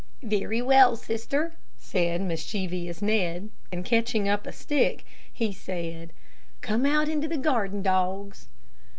"Very well, sister," said mischievous Ned; and catching up a stick, he said, "Come out into the garden, dogs."